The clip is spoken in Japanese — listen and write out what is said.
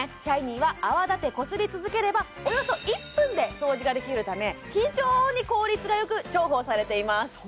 シャイニーは泡立てこすり続ければおよそ１分で掃除ができるため非常に効率がよく重宝されています・